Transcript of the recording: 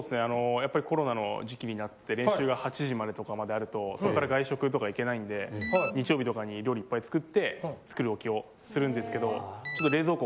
やっぱりコロナの時期になって練習が８時までとかまであるとそっから外食とか行けないんで日曜日とかに料理いっぱい作って作り置きをするんですけど。